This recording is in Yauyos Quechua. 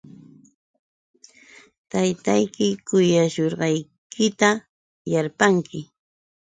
Taytayki kuyashushqaykita yarpanki.